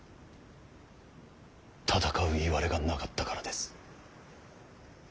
戦ういわれがなかったからです。